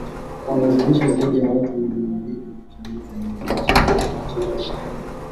kuwalazimisha zaidi ya watu milioni mbili kukimbia nyumba zao katika Sahel